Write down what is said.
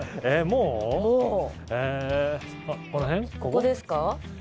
ここですか？